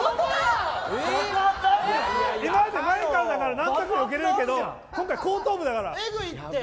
今まで前からだからよけられたけど今回、後頭部だから。